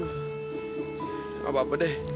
gak apa apa deh